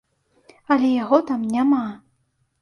Але яго там няма!